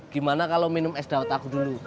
gimana kalau minum es dawet aku dulu